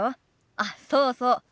あっそうそう。